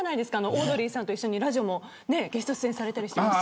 オードリーさんと一緒にラジオもゲスト出演されたり。